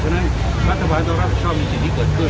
ฉะนั้นรัฐบาลต้องรับผิดชอบในสิ่งที่เกิดขึ้น